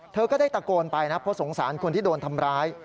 เธอก็ได้ตะโกนไปนะเพราะสงสารคนที่โดนทำร้าย